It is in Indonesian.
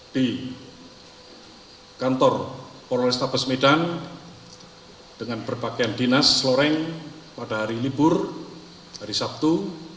di kantor polrestabes medan dengan berpakaian dinas loreng pada hari libur hari sabtu